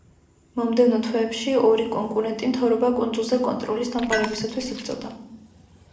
მომდევნო თვეებში ორი კონკურენტი მთავრობა კუნძულზე კონტროლის დამყარებისათვის იბრძოდა.